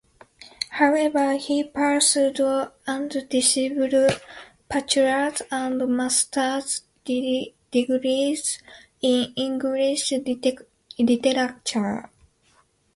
However, he pursued and received bachelor's and master's degrees in English literature.